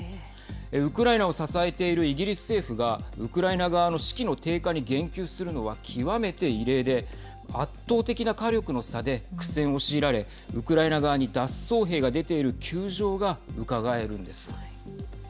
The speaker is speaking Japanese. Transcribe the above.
ウクライナを支えているイギリス政府がウクライナ側の士気の低下に言及するのは極めて異例で圧倒的な火力の差で苦戦を強いられウクライナ側に脱走兵が出ている窮状がうかがえるんです。